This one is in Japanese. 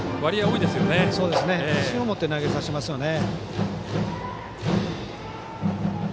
自信を持って投げさせてますね。